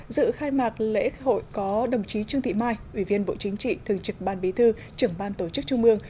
dự khai mạc lễ hội có đồng chí trương thị mai ủy viên bộ chính trị thường trực ban bí thư trưởng ban tổ chức trung ương